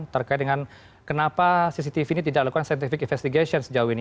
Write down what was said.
terkait dengan kenapa cctv ini tidak lakukan scientific investigation sejauh ini